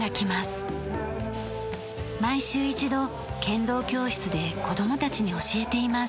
毎週一度剣道教室で子どもたちに教えています。